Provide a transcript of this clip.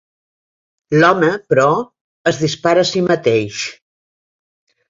L'home, però, es dispara a si mateix.